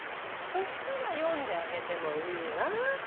そしたら読んであげてもいいわ。